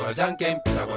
ピタゴラ